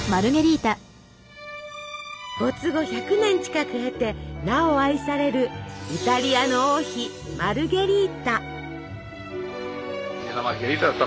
没後１００年近く経てなお愛されるイタリアの王妃マルゲリータ。